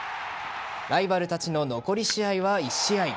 ライバルたちの残り試合は１試合。